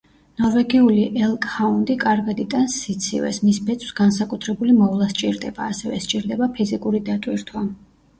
ნორვეგიული ელკჰაუნდი კარგად იტანს სიცივეს, მის ბეწვს განსაკუთრებული მოვლა სჭირდება, ასევე სჭირდება ფიზიკური დატვირთვა.